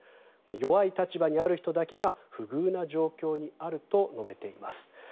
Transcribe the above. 弱い立場にある人だけが不遇な状況にあると述べています。